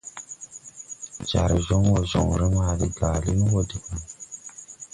Jar jɔŋ wɔ jɔŋre maa de gaali wɔ deɓaŋ.